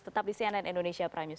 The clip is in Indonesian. tetap di cnn indonesia prime news